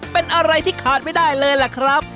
เป็นอะไรที่ขาดไม่ได้เลยล่ะครับ